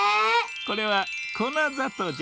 これはこなざとうじゃ。